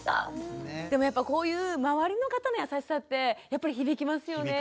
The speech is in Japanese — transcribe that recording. でもこういう周りの方の優しさってやっぱり響きますよね